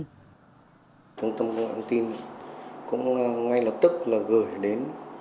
thông tin cũng ngay lập tức là gửi đến